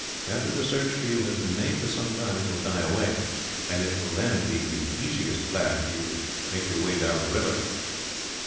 After the search for you has been made for some time, it will die away; and it will then be the easiest plan for you to make your way down the river."